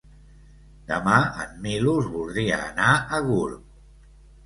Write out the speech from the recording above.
Demà en Milos voldria anar a Gurb.